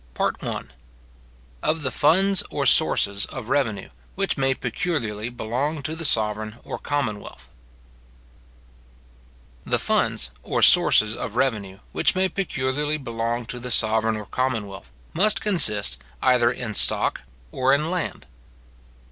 PART I. Of the Funds, or Sources, of Revenue, which may peculiarly belong to the Sovereign or Commonwealth. The funds, or sources, of revenue, which may peculiarly belong to the sovereign or commonwealth, must consist, either in stock, or in land.